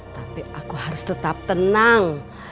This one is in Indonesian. tapi aku harus tetap tenang